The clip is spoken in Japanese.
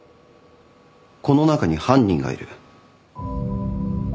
この中に犯人がいる。